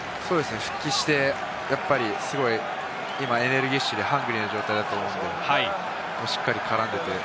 復帰して、すごい今、エネルギッシュでハングリーな状態だと思うのでしっかり絡んでくる。